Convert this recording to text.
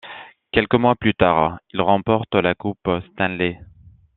Quelques mois plus tard, il remporte la Coupe Stanley.